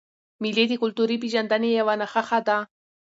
مېلې د کلتوري پیژندني یوه نخښه ده.